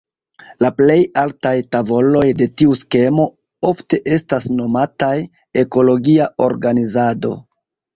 La plej altaj tavoloj de tiu skemo ofte estas nomataj "ekologia organizado".